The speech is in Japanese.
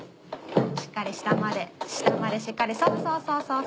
しっかり下まで下までしっかりそうそう。